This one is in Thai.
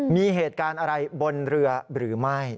มีเหตุการณ์อะไรบนเรือหรือไม่